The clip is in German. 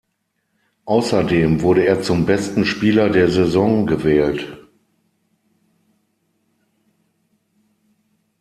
Außerdem wurde er zum besten Spieler der Saison gewählt.